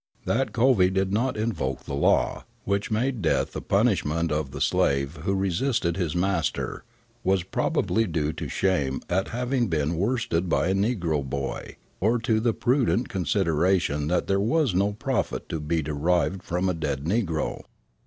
That Covey did not invoke the law, which made death the punishment of the slave who resisted his master, was probably due to shame at having been worsted by a negro boy, or to the prudent consideration that there was no profit to be derived from a dead negro.